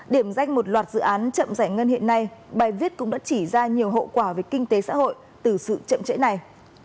điểm danh một loạt dự án chậm giải ngân hiện nay bài viết cũng đã chỉ ra nhiều hậu quả về kinh tế xã hội từ sự chậm trễ này